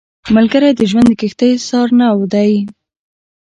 ملګری د ژوند د کښتۍ سارنوی وي